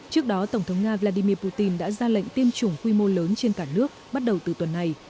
trước đó tổng thống nga vladimir putin đã ra lệnh tiêm chủng quy mô lớn trên cả nước bắt đầu từ tuần này